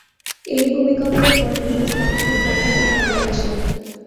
এই ভূমিকম্পের পর বিভিন্ন স্থান থেকে ক্ষয়ক্ষতির খবর আসে।